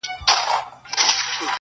موچي ولي خبروې له خپله زوره،